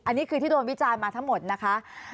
อันนี้คือที่โดนวิจารณ์มาทั้งหมดนะคะ